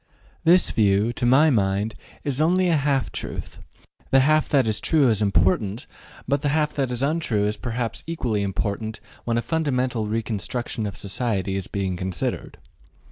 This view, to my mind, is only a half truth; the half that is true is important, but the half that is untrue is perhaps equally important when a fundamental reconstruction of society is being considered.